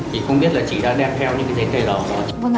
thì không biết là chị đã đem theo những cái giấy tờ đó không ạ